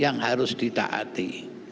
yang harus ditaati